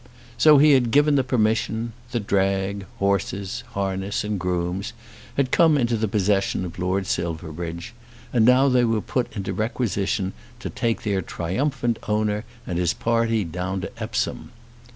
So he had given the permission; the drag, horses, harness, and grooms had come into the possession of Lord Silverbridge; and now they were put into requisition to take their triumphant owner and his party down to Epsom.